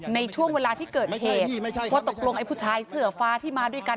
ในช่วงเวลาที่เกิดเหตุว่าตกลงไอ้ผู้ชายเสื้อฟ้าที่มาด้วยกัน